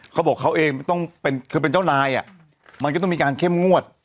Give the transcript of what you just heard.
เขาบอกเขาเองคือเป็นเจ้านายมันก็ต้องมีการเข้มงวด